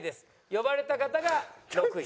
呼ばれた方が６位。